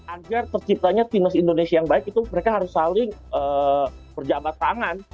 agar terciptanya timnas indonesia yang baik itu mereka harus saling berjabat tangan